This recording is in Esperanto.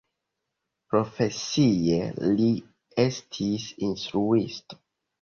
Profesie li estis instruisto.